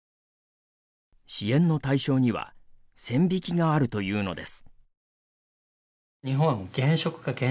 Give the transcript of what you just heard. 支援の対象には線引きがあるというのです。